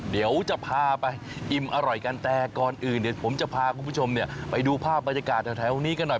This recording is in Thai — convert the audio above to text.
เดี๋ยวจะพาไปอิ่มอร่อยกันแต่ก่อนอื่นเดี๋ยวผมจะพาคุณผู้ชมเนี่ยไปดูภาพบรรยากาศแถวนี้กันหน่อย